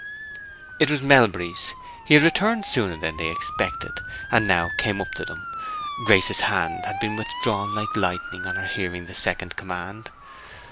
It was Melbury's. He had returned sooner than they expected, and now came up to them. Grace's hand had been withdrawn like lightning on her hearing the second command.